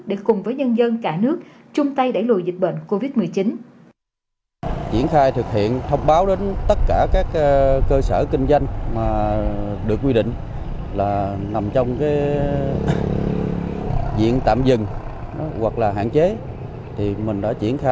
để cùng với nhân dân cả nước chung tay đẩy lùi dịch bệnh covid một mươi chín